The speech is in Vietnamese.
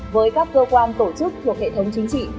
với các cơ quan tổ chức thuộc hệ thống chính trị